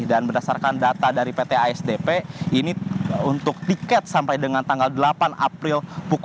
dan berdasarkan data dari pt asdp ini untuk tiket sampai dengan tanggal delapan april dua puluh tiga lima puluh lima